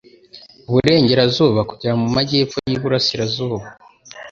uburengerazuba kugera mu majyepfo y'uburasirazuba .